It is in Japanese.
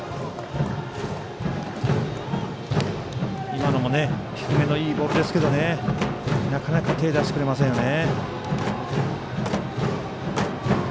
今のも低めのいいボールですけどなかなか手を出してくれませんよね。